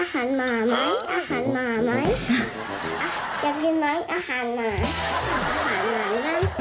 แซ่บเลงยังไง